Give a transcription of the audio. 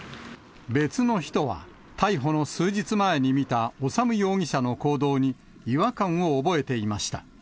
別の人は、逮捕の数日前に見た修容疑者の行動に、違和感を覚えていました。